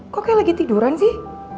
kok kayak lagi tiduran sih